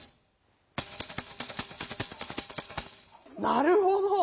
なるほど！